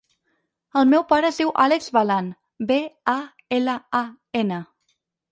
El meu pare es diu Àlex Balan: be, a, ela, a, ena.